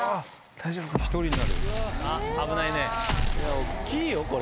大きいよこれ。